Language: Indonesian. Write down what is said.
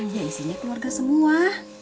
ya isinya keluarga semua